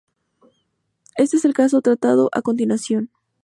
Este es el caso tratado a continuación.